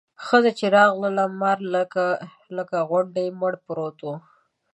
ښځه چې راغله مار لکه غونډی مړ پروت و.